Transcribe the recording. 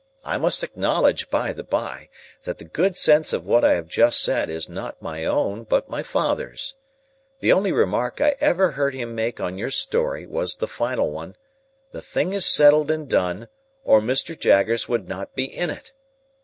I must acknowledge, by the by, that the good sense of what I have just said is not my own, but my father's. The only remark I ever heard him make on your story, was the final one, "The thing is settled and done, or Mr. Jaggers would not be in it."